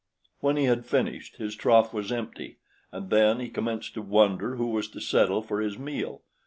When he had finished, his trough was empty, and then he commenced to wonder who was to settle for his meal.